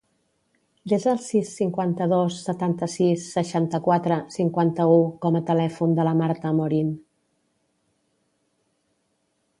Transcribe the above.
Desa el sis, cinquanta-dos, setanta-sis, seixanta-quatre, cinquanta-u com a telèfon de la Marta Amorin.